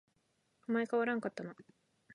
お前変わらんかったな